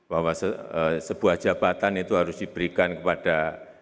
bahwa sebuah jabatan itu harus diberikan kepada